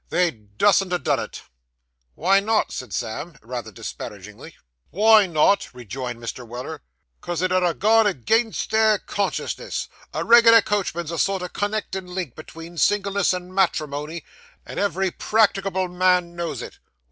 They dustn't ha' done it.' 'Wy not?' said Sam, rather disparagingly. 'Wy not!' rejoined Mr. Weller; ''cos it 'ud ha' gone agin their consciences. A reg'lar coachman's a sort o' con nectin' link betwixt singleness and matrimony, and every practicable man knows it.